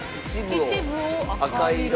一部を赤色。